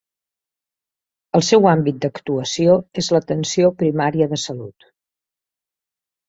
El seu àmbit d'actuació és l'atenció primària de salut.